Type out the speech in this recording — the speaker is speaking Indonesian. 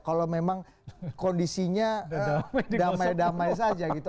kalau memang kondisinya damai damai saja gitu